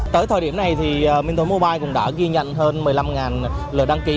tới thời điểm này thì minh tố mobile cũng đã ghi nhận hơn một mươi năm lượt đăng ký